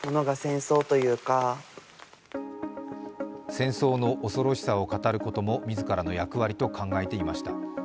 戦争の恐ろしさを語ることも自らの役割と考えていました。